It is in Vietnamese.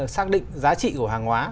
xác định giá trị của hàng hóa